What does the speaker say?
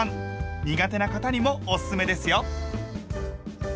苦手な方にもおすすめですよ。